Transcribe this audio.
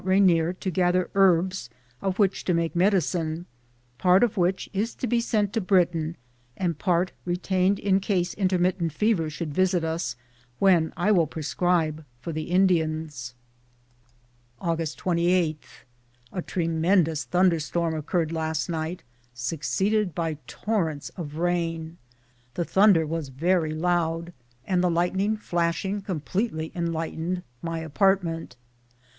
Rainier to gather herbs of which to make medicine, part of which is to be sent to Britian and part retained in case intermittent fever should visit us when I will prescribe for the Indians. DOCTOR WILLIAM FRASER TOLMIE. FIRST APPROACH TO THE MOUNTAIN, 1833 Aug. 28. A tremendous thunder storm occurred last night, succeeded by torrents of rain. The thun der was very loud, and the lightening flashing com pletely enlightened my apartment.